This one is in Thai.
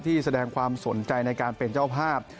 แสดงความสนใจในการเป็นเจ้าภาพ